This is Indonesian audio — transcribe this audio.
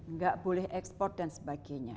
nggak boleh ekspor dan sebagainya